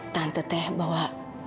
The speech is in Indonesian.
tante teh bawa